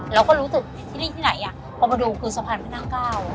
เราก็รู้สึกที่นี่ที่ไหนพอมาดูคือสะพานพระนั่งเก้า